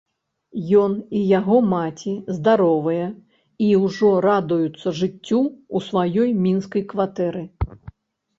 Ён і яго маці здаровыя і ўжо радуюцца жыццю ў сваёй мінскай кватэры.